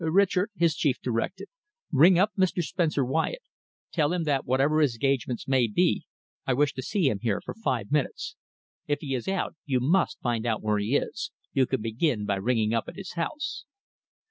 "Richard," his chief directed, "ring up Mr. Spencer Wyatt. Tell him that whatever his engagements may be, I wish to see him here for five minutes. If he is out, you must find out where he is. You can begin by ringing up at his house."